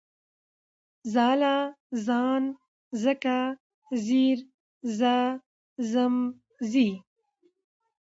ځاله، ځان، ځکه، ځير، ځه، ځم، ځي